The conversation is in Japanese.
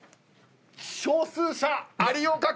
少数者有岡君！